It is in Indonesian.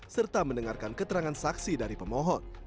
serta mendengarkan keterangan saksi dari pemohon